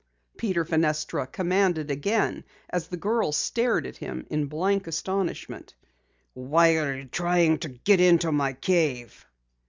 Peter Fenestra commanded again as the girls stared at him in blank astonishment. "Why are you trying to get into my cave?"